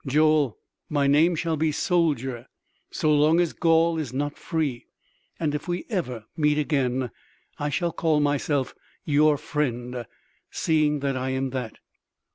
"Joel, my name shall be 'Soldier' so long as Gaul is not free; and if we ever meet again, I shall call myself 'Your Friend,' seeing that I am that."